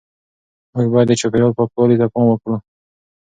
موږ باید د چاپیریال پاکوالي ته پام وکړو.